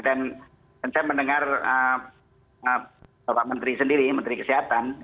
dan saya mendengar bapak menteri sendiri menteri kesehatan